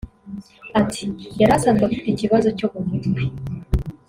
Ati “Yari asanzwe afite ikibazo cyo mu mutwe